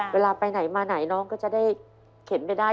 เวลาไปไหนมาไหนน้องก็จะได้เข็นไปได้